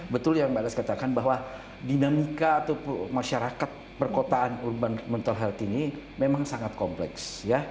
betul yang mbak les katakan bahwa dinamika atau masyarakat perkotaan urban mental health ini memang sangat kompleks